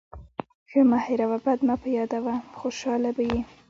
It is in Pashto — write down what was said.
ښه مه هېروه، بد مه پیاده وه. خوشحاله به يې.